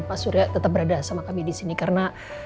pak surya tetap berada sama kami disini karena